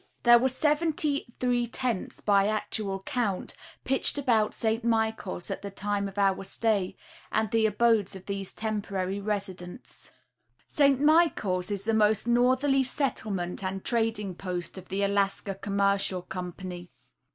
There were seventy three tents, by actual count, pitched about St. Michaels at the time of our stay, the abodes of these temporary residents. St. Michaels is the most northerly settlement and trading post of the Alaska Commercial Company.